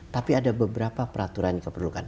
tapi ada beberapa peraturan yang diperlukan